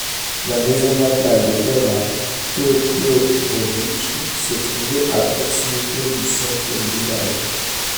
La maison natale de Pera Todorović se trouvait à proximité du centre du village.